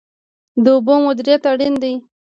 د اوبو مدیریت اړین دی.